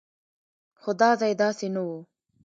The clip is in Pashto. خو دا ځای داسې نه و.